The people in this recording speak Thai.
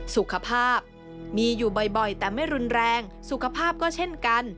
สุขภาพมีอยู่บ่อยแต่ไม่รุนแรงสุขภาพก็เช่นกัน